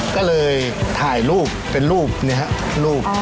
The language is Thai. ก็เลยถ่ายรูปเป็นรูปนี้ครับรูป